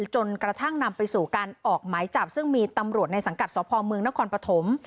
จนกระทั่งนำไปสู่การออกหมายจับซึ่งมีตำรวจในสังกัดสพเมืองนครปฐม